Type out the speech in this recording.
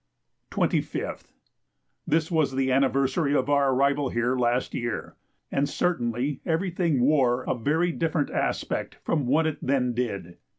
25th. This was the anniversary of our arrival here last year; and certainly everything wore a very different aspect from what it then did.